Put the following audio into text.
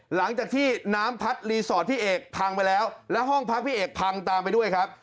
หลังจากที่น้ำพัดรีสอร์ทพี่เอกพังไปแล้วแล้วห้องพักพี่เอกพังตามไปด้วยครับ